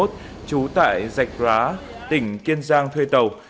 trú tại dạch rá tỉnh kiên giang thuê tàu